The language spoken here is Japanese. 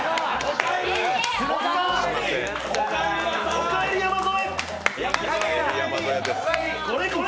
おかえり、山添。